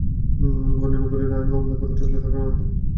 ভবন নির্মাণকারীরা আইন অমান্য করে থাকলে আমরা তাদের ছেড়ে দেব না।